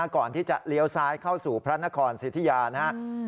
ก่อนที่จะเลี้ยวซ้ายเข้าสู่พระนครสิทธิยานะครับ